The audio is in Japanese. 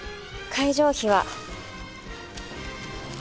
会場費は。